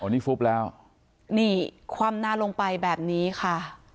นี่ฟุบแล้วนี่คว่ำหน้าลงไปแบบนี้ค่ะ